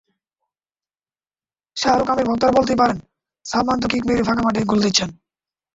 শাহরুখ-আমির ভক্তরা বলতেই পারেন, সালমান তো কিক মেরে ফাঁকা মাঠেই গোল দিচ্ছেন।